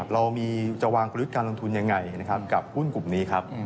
เราจะวางกลยุทธ์การลงทุนยังไงกับหุ้นกลุ่มนี้ครับ